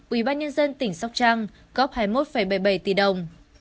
ubnd tỉnh sóc trang góp hai mươi một bảy mươi bảy tỷ đồng